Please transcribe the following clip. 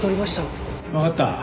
わかった。